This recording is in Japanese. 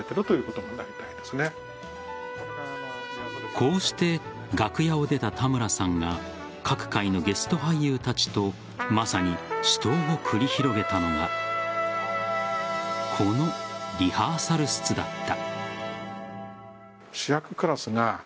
こうして楽屋を出た田村さんが各回のゲスト俳優たちとまさに死闘を繰り広げたのがこのリハーサル室だった。